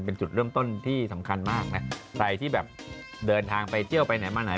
เป็นจุดเริ่มต้นที่สำคัญมากนะใครที่แบบเดินทางไปเที่ยวไปไหนมาไหน